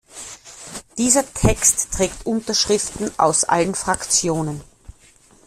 Dieser Text trägt Unterschriften aus allen Fraktionen.